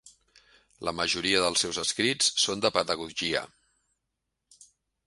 La majoria dels seus escrits son de pedagogia.